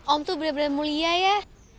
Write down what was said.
om tuh benar benar mulia ya